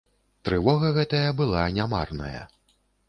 Трывога гэтая была не марная.